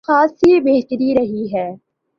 خاصی بہتر رہی ہے۔